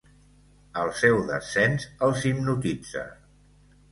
El seu descens els hipnotitza.